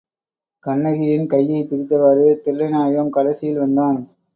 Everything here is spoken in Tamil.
கண்ணகியின் கையைப் பிடித்தவாறு தில்லைநாயகம் கடைசியில் வந்தான்.